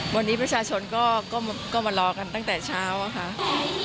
วันนี้ประชาชนก็มารอกันตั้งแต่เช้าอะค่ะ